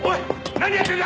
何やってるんだ！